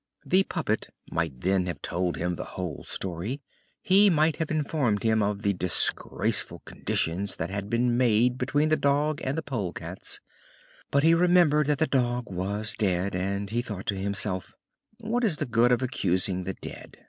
The puppet might then have told him the whole story; he might have informed him of the disgraceful conditions that had been made between the dog and the polecats; but he remembered that the dog was dead and he thought to himself: "What is the good of accusing the dead?